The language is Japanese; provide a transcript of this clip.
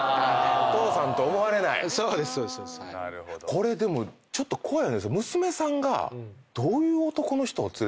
これでもちょっと怖い。